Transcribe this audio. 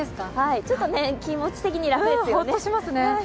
ちょっと気持ち的には楽ですね。